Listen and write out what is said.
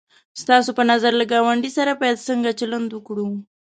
ستاسو په نظر له گاونډي سره باید څنگه چلند وکړو؟